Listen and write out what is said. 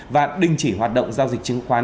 và đình chỉ hoạt động giao dịch chứng khoán